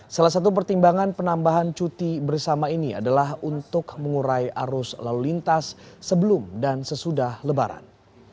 salah satu pertimbangan penambahan cuti bersama ini adalah untuk mengurai arus lalu lintas sebelum dan sesudah lebaran